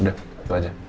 udah itu aja